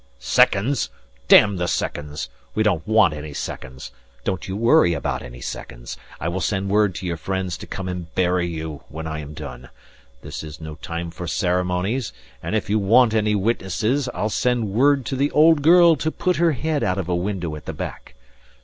"Seconds! Damn the seconds! We don't want any seconds. Don't you worry about any seconds. I will send word to your friends to come and bury you when I am done. This is no time for ceremonies. And if you want any witnesses, I'll send word to the old girl to put her head out of a window at the back.